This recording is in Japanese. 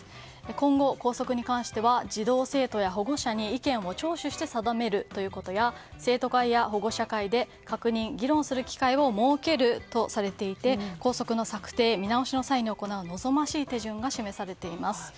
今後、校則に関しては児童生徒や保護者に意見を聴取して定めるということや生徒会や保護者会で確認・議論する機会を設けるとされていて校則の策定見直しの際に行われる望ましい手順が示されています。